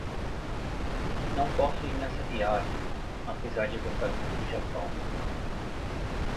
Não posso ir nessa viagem, apesar de gostar muito do Japão.